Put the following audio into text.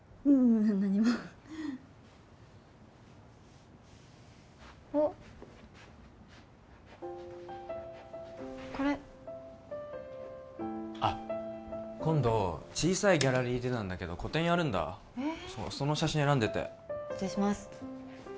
ううん何もあっこれあっ今度小さいギャラリーでなんだけど個展やるんだへえその写真選んでて失礼します